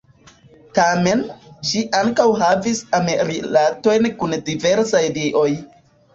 Tamen, ŝi ankaŭ havis am-rilatojn kun diversaj dioj.